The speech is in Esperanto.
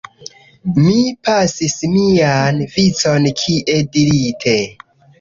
Mi pasis mian vicon, kiel dirite.